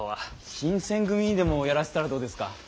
新選組にでもやらせたらどうですか。